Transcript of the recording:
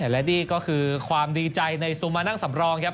และนี่ก็คือความดีใจในซูมานั่งสำรองครับ